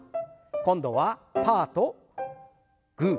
今度はパーとグー。